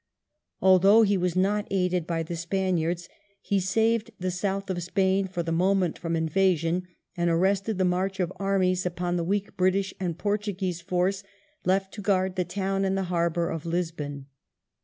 Although he was not aided by the Spaniards, he saved the south of Spain for the moment from invasion, and arrested the march of armies upon the weak British and Portuguese force left to guard the town and the harbour of Lisbon.